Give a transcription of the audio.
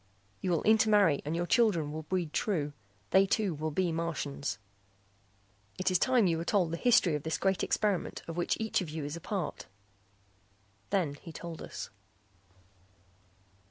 You will intermarry and your children will breed true. They too will be Martians. "It is time you were told the history of this great experiment of which each of you is a part." Then he told us.